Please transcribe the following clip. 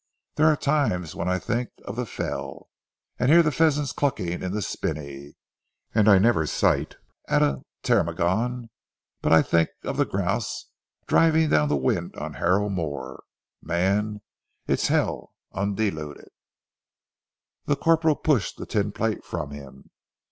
There are times when I think of the Fell, and hear the pheasants clucking in the spinney. And I never sight at a ptarmigan but I think of the grouse driving down the wind on Harrow Moor. Man it's Hell, undiluted." The corporal pushed the tin plate from him.